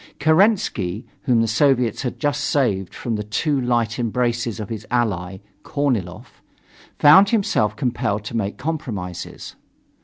Kerensky, whom the Soviets had just saved from the too light embraces of his ally, Korniloff, found himself compelled to make compromises.